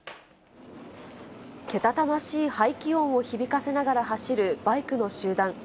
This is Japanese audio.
けたたましい排気音を響かせながら走るバイクの集団。